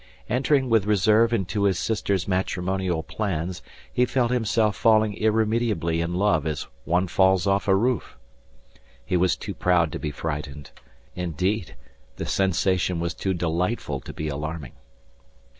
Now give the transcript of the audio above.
Entering with reserve into his sister's matrimonial plans, he felt himself falling irremediably in love as one falls off a roof. He was too proud to be frightened. Indeed, the sensation was too delightful to be alarming.